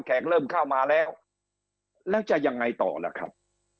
เริ่มเข้ามาแล้วแล้วจะยังไงต่อล่ะครับ